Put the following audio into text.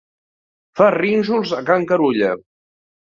Fa rínxols a can Carulla.